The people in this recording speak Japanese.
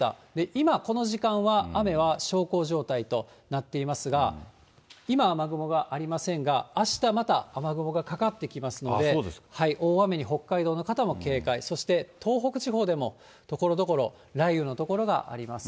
今、この時間は、雨は小康状態となっていますが、今は雨雲はありませんが、あした、また雨雲がかかってきますので、大雨に、北海道の方も警戒、そして東北地方でもところどころ雷雨の所があります。